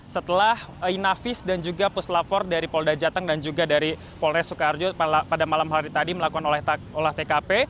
setelah inavis dan juga puslavor dari polda jateng dan juga dari polres soekarjo pada malam hari tadi melakukan oleh olah tkp